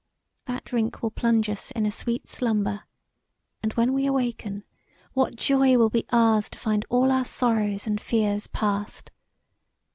That drink will plunge us in a sweet slumber, and when we awaken what joy will be ours to find all our sorrows and fears past.